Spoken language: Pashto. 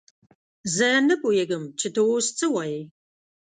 زه نه پوهېږم چې ته اوس څه وايې!